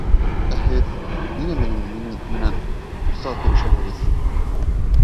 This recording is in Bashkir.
Ә һеҙ... ниңә минең минең менән уҫал һөйләшәһегеҙ?